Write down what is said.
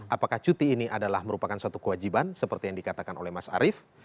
apakah cuti ini adalah merupakan suatu kewajiban seperti yang dikatakan oleh mas arief